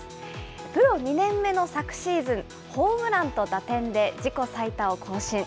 プロ２年目の昨シーズン、ホームランと打点で自己最多を更新。